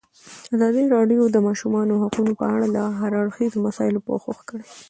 ازادي راډیو د د ماشومانو حقونه په اړه د هر اړخیزو مسایلو پوښښ کړی.